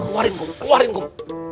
keluarin kum keluarin kum